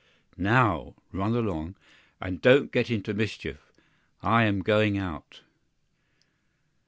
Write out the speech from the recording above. "NOW run along, and don't get into mischief. I am going out."